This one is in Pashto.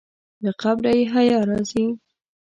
له قبره یې حیا راځي.